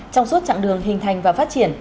trong suốt chặng đường hình thành và phát triển